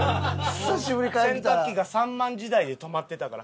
洗濯機が３万時代で止まってたから。